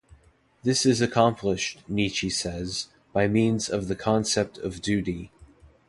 This is accomplished, Nietzsche says, by means of the concept of duty.